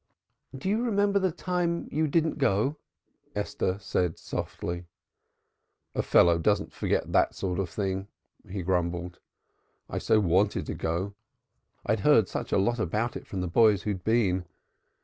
"Do you remember the time you didn't go?" Esther said softly. "A fellow doesn't forget that sort of thing," he grumbled. "I so wanted to go I had heard such a lot about it from the boys who had been.